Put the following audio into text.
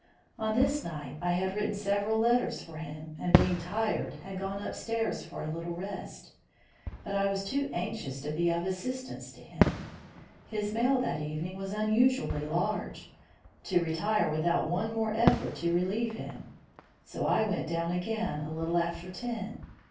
On this night, I had written several letters for him, and being tired had gone upstairs for a little rest. But I was too anxious to be of assistance to him his mail that evening was unusually large to retire without one more effort to relieve him; so I went down again a little after ten.